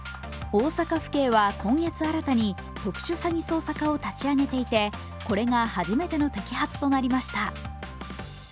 大阪府警は、今月新たに特殊詐欺捜査課を立ち上げていてこれが初めての摘発となりました。